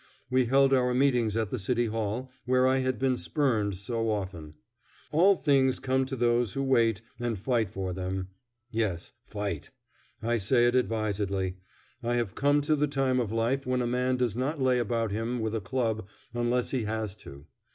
We held our meetings at the City Hall, where I had been spurned so often. All things come to those who wait and fight for them. Yes, fight! I say it advisedly. I have come to the time of life when a man does not lay about him with a club unless he has to.